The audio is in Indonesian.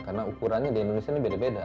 karena ukurannya di indonesia ini beda beda